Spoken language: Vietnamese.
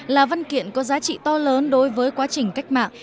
là văn kiện có giá trị to lớn đối với quá trình cách mạng